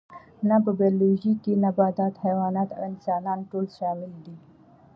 نه په بیولوژي کې نباتات حیوانات او انسانان ټول شامل دي